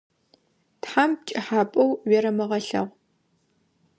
Тхьам пкӏыхьапӏэу уерэмыгъэлъэгъу.